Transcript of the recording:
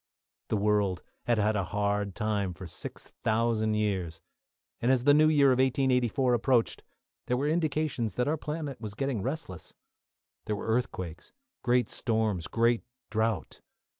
The world had had a hard time for six thousand years, and, as the new year of 1884 approached, there were indications that our planet was getting restless. There were earthquakes, great storms, great drought.